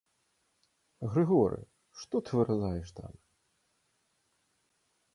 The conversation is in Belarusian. Грыгоры, што ты выразаеш там?